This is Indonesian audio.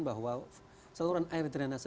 bahwa saluran air drainase